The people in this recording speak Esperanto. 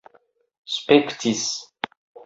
spektis